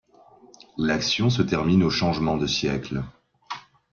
L'action se termine au changement de siècle.